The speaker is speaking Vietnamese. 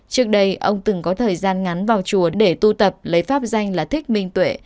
trước đây ông từng có thời gian ngắn vào chùa để tu tập lấy pháp danh là thích minh tuệ